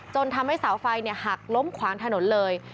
ทำให้เสาไฟหักล้มขวางถนนเลย